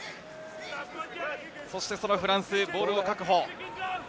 そしてそのフランス、ボールを確保。